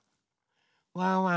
ワンワン